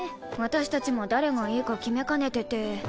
私たちも誰がいいか決めかねてて。